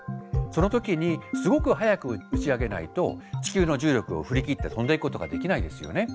その時にすごく速く打ち上げないと地球の重力を振り切って飛んでいくことができないですよね。